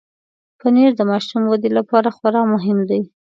پنېر د ماشوم ودې لپاره خورا مهم دی.